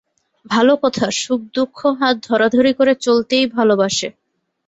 ভাল কথা! সুখ-দুঃখ হাত ধরাধরি করে চলতেই ভালবাসে।